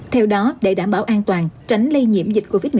theo đó để đảm bảo an toàn tránh lây nhiễm dịch covid một mươi chín